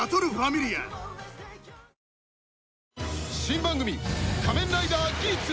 新番組